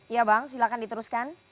iya bang silahkan diteruskan